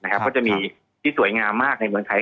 ก็จะมีที่สวยงามมากในเมืองไทย